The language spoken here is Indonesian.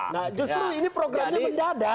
nah justru ini programnya mendadak